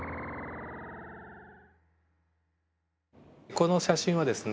この写真はですね